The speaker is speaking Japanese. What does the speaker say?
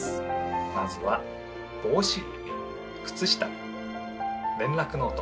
まずは帽子くつした連絡ノート。